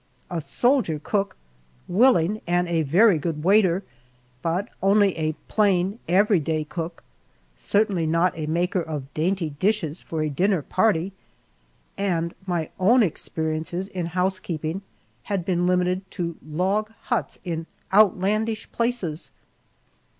A soldier cook, willing, and a very good waiter, but only a plain everyday cook; certainly not a maker of dainty dishes for a dinner party. And my own experiences in housekeeping had been limited to log huts in outlandish places.